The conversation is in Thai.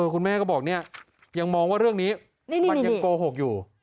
คุณแม่ก็บอกเนี่ยยังมองว่าเรื่องนี้มันยังโกหกอยู่